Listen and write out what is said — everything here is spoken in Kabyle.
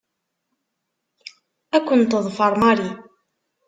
Ad ken-teḍfer Mary.